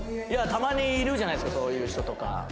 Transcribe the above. いやたまにいるじゃないですかそういう人とか。